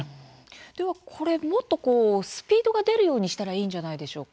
では、もっとスピードが出るようにしたらいいんじゃないでしょうか。